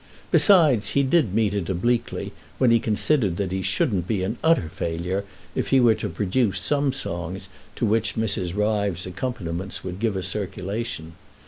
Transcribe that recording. Besides, he did meet it obliquely when he considered that he shouldn't be an utter failure if he were to produce some songs to which Mrs. Ryves's accompaniments would give a circulation.